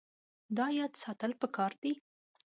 دا یاد ساتل پکار دي.